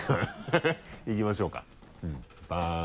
いきましょうかバン。